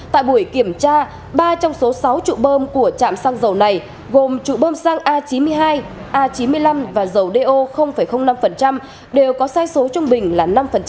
tại buổi kiểm tra ba trong số sáu trụ bơm của trạm xăng dầu này gồm trụ bơm xăng a chín mươi hai a chín mươi năm và dầu do năm đều có sai số trung bình là năm